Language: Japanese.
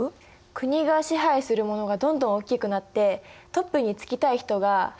国が支配するものがどんどんおっきくなってトップに就きたい人が反乱を起こしたとか。